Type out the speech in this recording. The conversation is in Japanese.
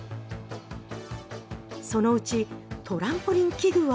そのうちトランポリン器具は。